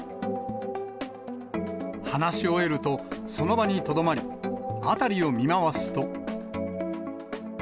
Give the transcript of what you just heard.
話し終えるとその場にとどまり、辺りを見回すと。